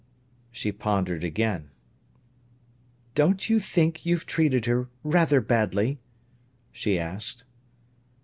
She pondered again. "Don't you think you've treated her rather badly?" she asked.